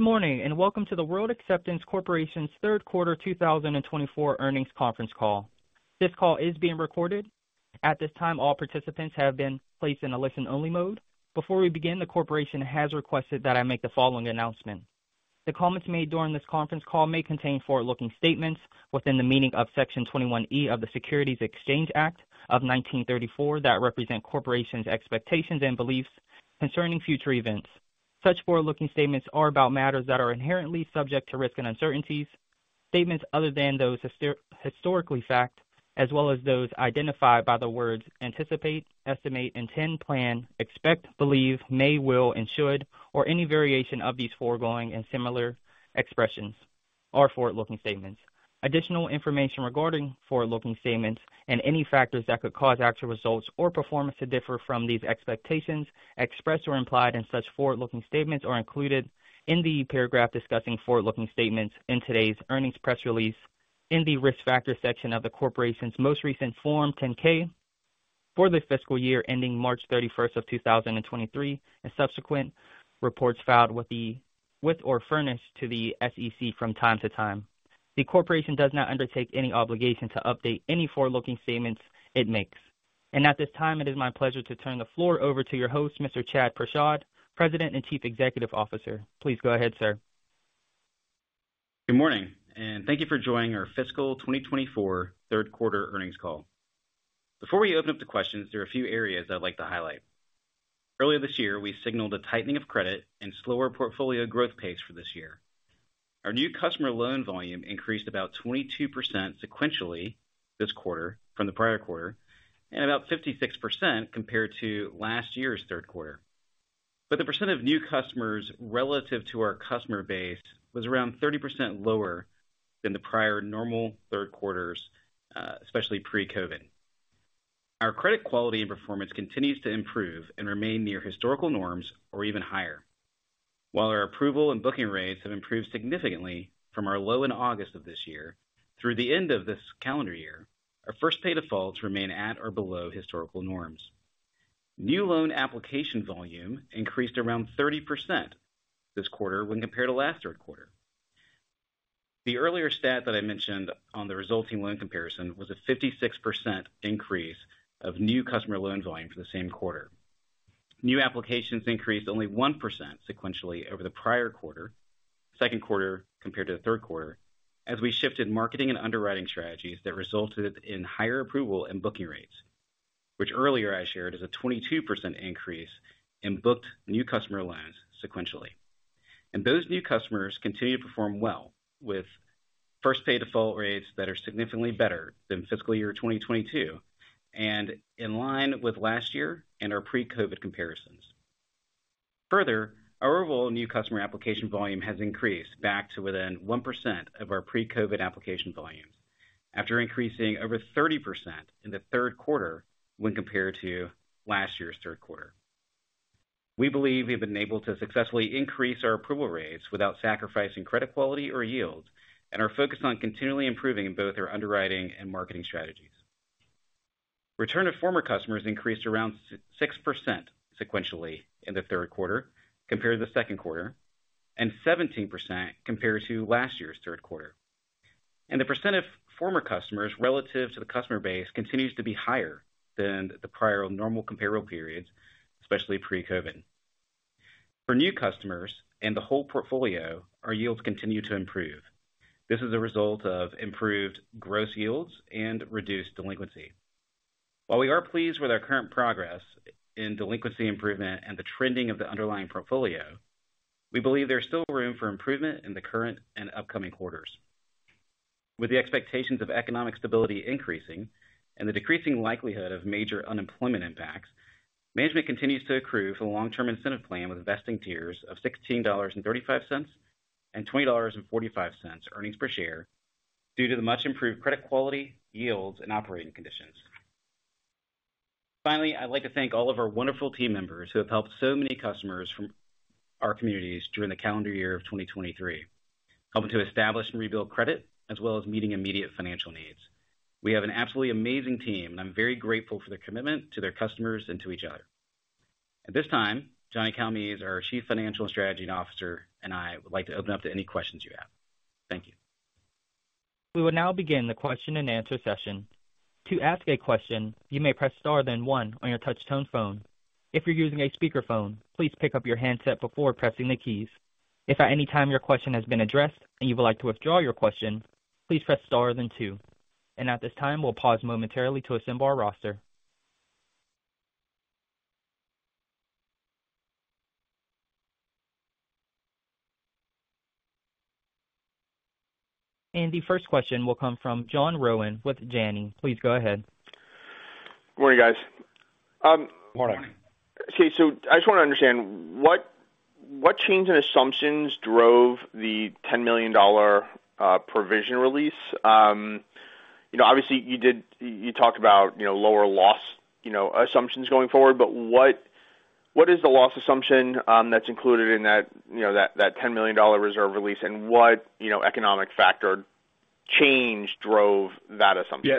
Good morning, and welcome to the World Acceptance Corporation's Q3 2024 earnings conference call. This call is being recorded. At this time, all participants have been placed in a listen-only mode. Before we begin, the corporation has requested that I make the following announcement. The comments made during this conference call may contain forward-looking statements within the meaning of Section 21E of the Securities Exchange Act of 1934 that represent corporation's expectations and beliefs concerning future events. Such forward-looking statements are about matters that are inherently subject to risk and uncertainties. Statements other than those historical fact, as well as those identified by the words anticipate, estimate, intend, plan, expect, believe, may, will, and should, or any variation of these foregoing and similar expressions, are forward-looking statements. Additional information regarding forward-looking statements and any factors that could cause actual results or performance to differ from these expectations, expressed or implied in such forward-looking statements, are included in the paragraph discussing forward-looking statements in today's earnings press release in the Risk Factors section of the corporation's most recent Form 10-K for the fiscal year ending March 31, 2023, and subsequent reports filed with or furnished to the SEC from time to time. The corporation does not undertake any obligation to update any forward-looking statements it makes. At this time, it is my pleasure to turn the floor over to your host, Mr. Chad Prashad, President and Chief Executive Officer. Please go ahead, sir. Good morning, and thank you for joining our fiscal 2024 Q3 earnings call. Before we open up to questions, there are a few areas I'd like to highlight. Earlier this year, we signaled a tightening of credit and slower portfolio growth pace for this year. Our new customer loan volume increased about 22% sequentially this quarter from the prior quarter, and about 56% compared to last year's Q3. But the percent of new customers relative to our customer base was around 30% lower than the prior normal Q3s, especially pre-COVID. Our credit quality and performance continues to improve and remain near historical norms or even higher. While our approval and booking rates have improved significantly from our low in August of this year, through the end of this calendar year, our first pay defaults remain at or below historical norms. New loan application volume increased around 30% this quarter when compared to last Q3. The earlier stat that I mentioned on the resulting loan comparison was a 56% increase of new customer loan volume for the same quarter. New applications increased only 1% sequentially over the prior quarter, Q2 compared to the Q3, as we shifted marketing and underwriting strategies that resulted in higher approval and booking rates, which earlier I shared is a 22% increase in booked new customer loans sequentially. Those new customers continue to perform well, with first pay default rates that are significantly better than fiscal year 2022 and in line with last year and our pre-COVID comparisons. Further, our overall new customer application volume has increased back to within 1% of our pre-COVID application volumes, after increasing over 30% in the Q3 when compared to last year's Q3. We believe we've been able to successfully increase our approval rates without sacrificing credit quality or yield and are focused on continually improving both our underwriting and marketing strategies. Return of former customers increased around 6% sequentially in the Q3 compared to the Q2, and 17% compared to last year's Q3. The percent of former customers relative to the customer base continues to be higher than the prior normal comparable periods, especially pre-COVID. For new customers and the whole portfolio, our yields continue to improve. This is a result of improved gross yields and reduced delinquency. While we are pleased with our current progress in delinquency improvement and the trending of the underlying portfolio, we believe there's still room for improvement in the current and upcoming quarters. With the expectations of economic stability increasing and the decreasing likelihood of major unemployment impacts, management continues to accrue for the long-term incentive plan, with vesting tiers of $16.35 and $20.45 earnings per share due to the much improved credit quality, yields, and operating conditions. Finally, I'd like to thank all of our wonderful team members who have helped so many customers from our communities during the calendar year of 2023, helping to establish and rebuild credit, as well as meeting immediate financial needs. We have an absolutely amazing team, and I'm very grateful for their commitment to their customers and to each other. At this time, John Calmes, our Chief Financial and Strategy Officer, and I, would like to open up to any questions you have. Thank you. We will now begin the question-and-answer session. To ask a question, you may press star, then one on your touch tone phone. If you're using a speaker phone, please pick up your handset before pressing the keys. If at any time your question has been addressed and you would like to withdraw your question, please press star then two. At this time, we'll pause momentarily to assemble our roster. The first question will come from John Rowan with Janney. Please go ahead. Good morning, guys. Good morning. Okay, so I just want to understand, what change in assumptions drove the $10 million provision release? You know, obviously you did, you talked about you know, lower loss you know, assumptions going forward, but what is the loss assumption that's included in that you know, that $10 million reserve release, and what you know, economic factor change drove that assumption?...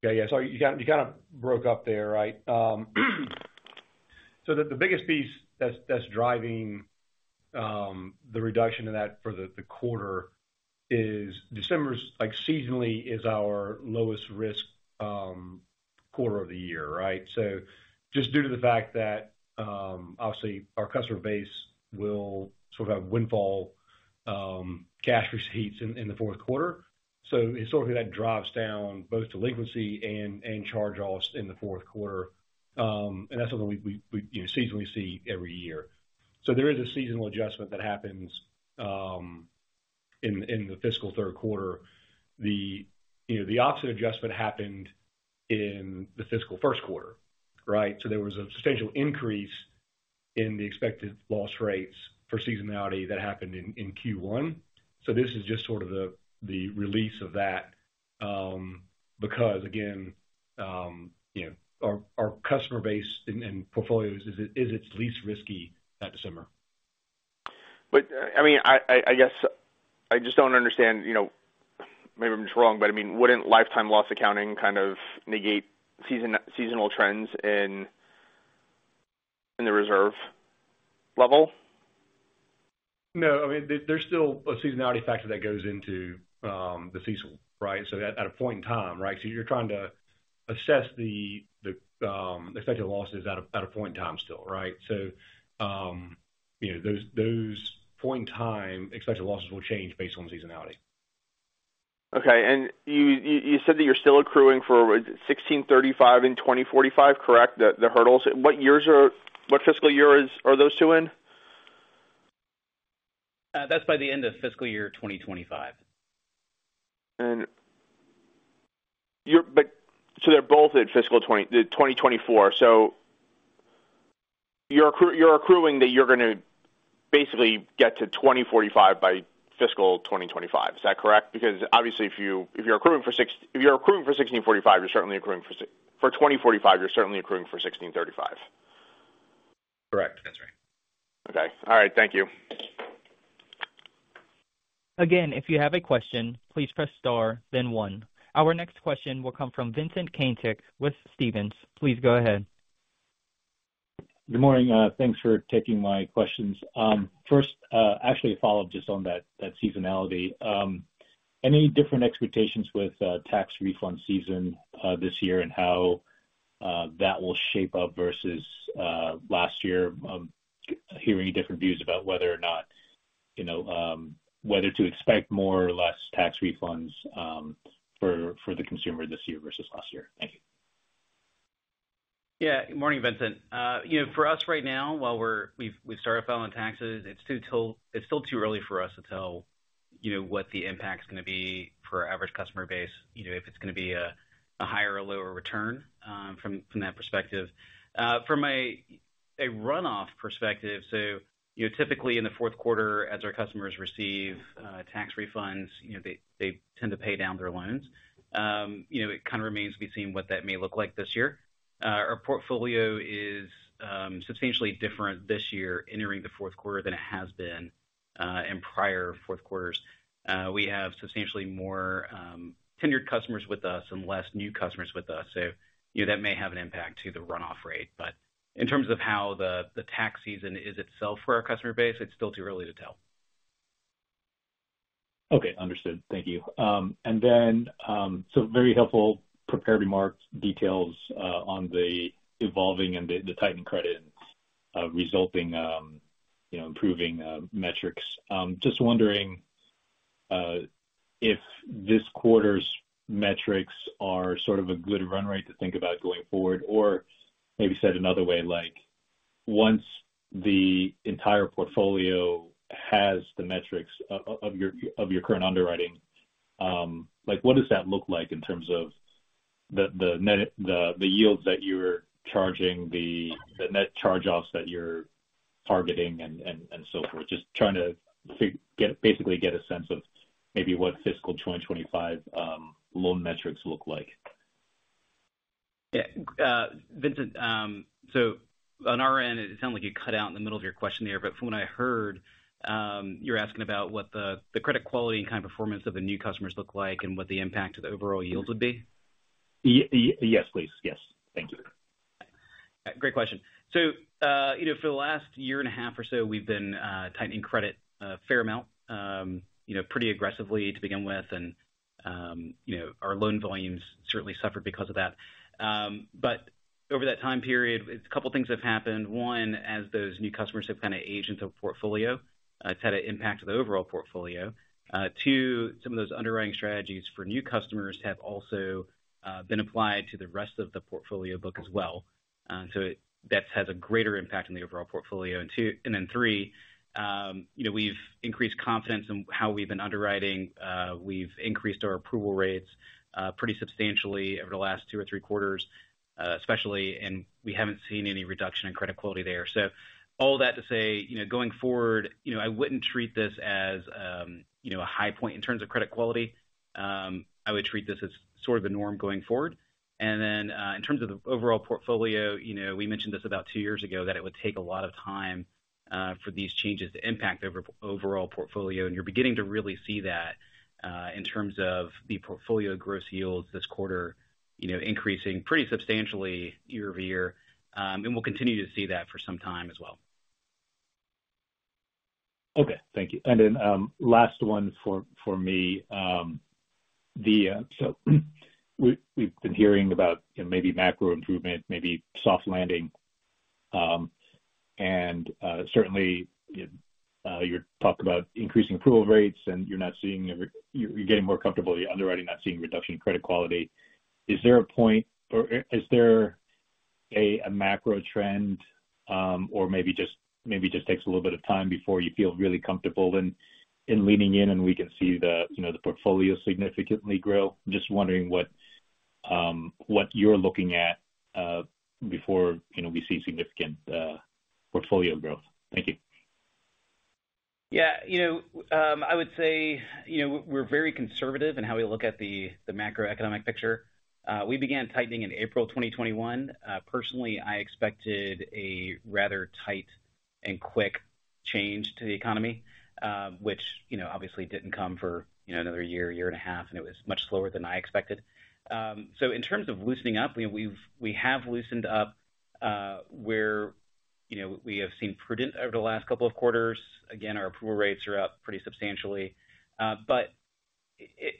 Yeah, yeah. So you kind of broke up there, right? So the biggest piece that's driving the reduction in that for the quarter is December's like seasonally is our lowest risk quarter of the year, right? So just due to the fact that, obviously, our customer base will sort of have windfall cash receipts in the Q4. So it's sort of that drives down both delinquency and charge-offs in the Q4. And that's something we you know, seasonally see every year. So there is a seasonal adjustment that happens in the fiscal Q3. You know the opposite adjustment happened in the Q1 fiscal, right? So there was a substantial increase in the expected loss rates for seasonality that happened in Q1. This is just sort of the release of that, because again you know, our customer base and portfolios is its least risky at December. But, I mean, I guess I just don't understand you know, maybe I'm just wrong, but I mean, wouldn't lifetime loss accounting kind of negate seasonal trends in the reserve level? No. I mean, there's still a seasonality factor that goes into the CECL, right? So at a point in time, right? So you're trying to assess the expected losses at a point in time still, right? So, you know, those point in time expected losses will change based on seasonality. Okay. And you said that you're still accruing for $16.35 and $20.45, correct? the hurdles. What fiscal years are those two in? That's by the end of fiscal 2025. But, so they're both at fiscal 2024. So you're accruing that you're gonna basically get to 20.45 by fiscal 2025. Is that correct? Because obviously, if you're accruing for 16.45, you're certainly accruing for 20.45, you're certainly accruing for 16.35. Correct. That's right. Okay. All right. Thank you. Again, if you have a question, please press star then one. Our next question will come from Vincent Caintic with Stephens. Please go ahead. Good morning. Thanks for taking my questions. First, actually a follow-up just on that seasonality. Any different expectations with tax refund season this year and how that will shape up vs. last year? Hearing different views about whether or not, you know, whether to expect more or less tax refunds for the consumer this year vs. last year. Thank you. Yeah. Good morning, Vincent. You know for us right now, while we've started filing taxes, it's still too early for us to tel you know, what the impact is gonna be for our average customer base you know, if it's gonna be a higher or lower return from that perspective. From a runoff perspective, so you know typically in the Q4, as our customers receive tax refunds, you know, they tend to pay down their loans. You know it kind of remains to be seen what that may look like this year. Our portfolio is substantially different this year entering the Q4 than it has been in prior Q4s. We have substantially more tenured customers with us and less new customers with us. You know, that may have an impact to the runoff rate. But in terms of how the tax season is itself for our customer base, it's still too early to tell. Okay, understood. Thank you. So very helpful prepared remarks, details on the evolving and the tightened credit resulting, you know, improving metrics. Just wondering if this quarter's metrics are sort of a good run rate to think about going forward, or maybe said another way, like, once the entire portfolio has the metrics of your current underwriting, like, what does that look like in terms of the net yields that you're charging, the net charge-offs that you're targeting and so forth? Just trying to get, basically get a sense of maybe what fiscal 2025 loan metrics look like. Yeah. Vincent, so on our end, it sounded like you cut out in the middle of your question there, but from what I heard, you're asking about what the credit quality and kind of performance of the new customers look like and what the impact to the overall yields would be? Yes, please. Yes. Thank you. Great question. So, you know, for the last year and a half or so, we've been tightening credit a fair amount, you know, pretty aggressively to begin with. And, you know, our loan volumes certainly suffered because of that. But over that time period, a couple things have happened. One, as those new customers have kind of aged into a portfolio, it's had an impact to the overall portfolio. Two, some of those underwriting strategies for new customers have also been applied to the rest of the portfolio book as well. So that has a greater impact on the overall portfolio. And two and then three, you know, we've increased confidence in how we've been underwriting. We've increased our approval rates pretty substantially over the last two or three quarters, especially, and we haven't seen any reduction in credit quality there. All that to say, you know, going forward, you know, I wouldn't treat this as a high point in terms of credit quality. I would treat this as sort of the norm going forward. And then, in terms of the overall portfolio, you know, we mentioned this about two years ago, that it would take a lot of time for these changes to impact the overall portfolio. And you're beginning to really see that in terms of the portfolio gross yields this quarter, you know, increasing pretty substantially year-over-year. And we'll continue to see that for some time as well. Okay. Thank you. And then, last one for me. So we've been hearing about, you know, maybe macro improvement, maybe soft landing. And certainly, you talked about increasing approval rates, and you're not seeing, you're getting more comfortable, you're underwriting, not seeing reduction in credit quality. Is there a point or is there a macro trend, or maybe just takes a little bit of time before you feel really comfortable in leaning in, and we can see the, you know, the portfolio significantly grow? Just wondering what you're looking at, before, you know, we see significant portfolio growth. Thank you. Yeah. You know, I would say, you know, we're very conservative in how we look at the macroeconomic picture. We began tightening in April 2021. Personally, I expected a rather tight and quick change to the economy, which, you know, obviously didn't come for, you know, another year and a half, and it was much slower than I expected. So in terms of loosening up, we have loosened up where, you know, we have seen prudent over the last couple of quarters. Again, our approval rates are up pretty substantially. But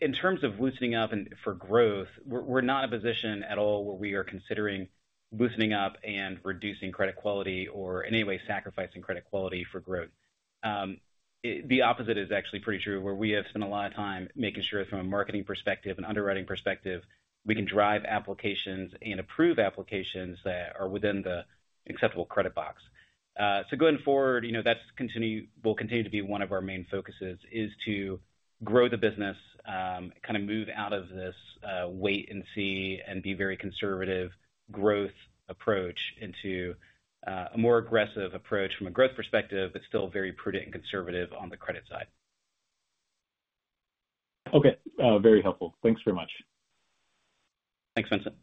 in terms of loosening up and for growth, we're not in a position at all where we are considering loosening up and reducing credit quality or in any way sacrificing credit quality for growth. It, the opposite is actually pretty true, where we have spent a lot of time making sure from a marketing perspective and underwriting perspective, we can drive applications and approve applications that are within the acceptable credit box. So going forward, you know, that will continue to be one of our main focuses, is to grow the business, kind of move out of this, wait and see and be very conservative growth approach into, a more aggressive approach from a growth perspective, but still very prudent and conservative on the credit side. Okay, very helpful. Thanks very much. Thanks, Vincent.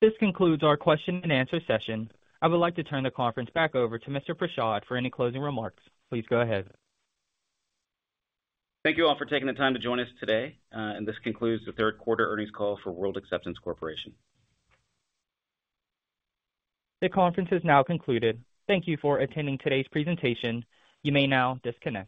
This concludes our question and answer session. I would like to turn the conference back over to Mr. Prashad for any closing remarks. Please go ahead. Thank you all for taking the time to join us today. This concludes the Q3 earnings call for World Acceptance Corporation. The conference is now concluded. Thank you for attending today's presentation. You may now disconnect.